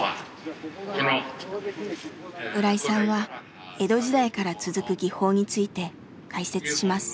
村井さんは江戸時代から続く技法について解説します。